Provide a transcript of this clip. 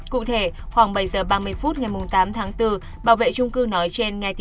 cụ thể khoảng bảy giờ ba mươi phút ngày tám tháng bốn bảo vệ trung cư nói trên nghe tiếng nói